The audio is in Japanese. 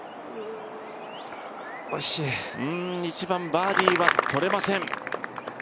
１番、バーディーは取れません。